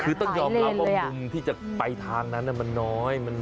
คือต้องยอมรับว่ามุมที่จะไปทางนั้นมันน้อย